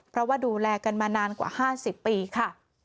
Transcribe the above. เพราะว่าดูแลกันมานานกว่า๕๐ปีค่ะ